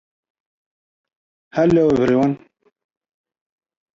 Harvey and Destrehan initiated construction of the canal locks leading to the Mississippi.